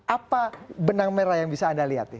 apa benang merah yang bisa anda lihat nih